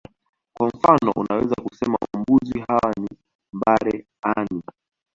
Kwa mfano unaweza kusema mbuzi hawa ni mbare ani